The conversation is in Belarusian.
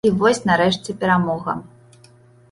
І вось нарэшце перамога.